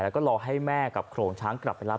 แล้วก็รอให้แม่กับโขลงช้างกลับไปรับ